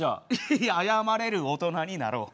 いや謝れる大人になろう。